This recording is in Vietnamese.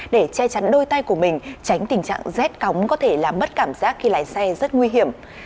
để che chắn đôi tay của mình tránh tình trạng rét cóng có thể làm mất cảm giác khi lái xe rất nguy hiểm